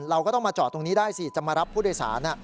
เราก็ต้องมาจอดตรงนี้ได้สิจะมารับผู้โดยสาร